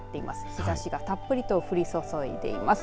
日ざしがたっぷりと降り注いでいます。